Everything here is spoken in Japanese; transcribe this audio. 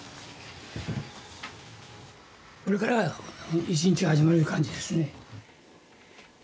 これから１日が始まる感じですね。